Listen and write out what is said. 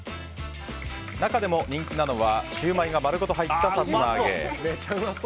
中でも人気なのはシューマイが丸ごと入ったさつま揚げ。